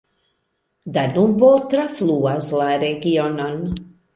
Danubo trafluas la regionon.